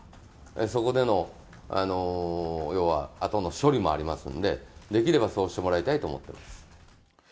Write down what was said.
そこでの、要は、あとの処理もありますんで、できればそうしてもらいたいと思ってます。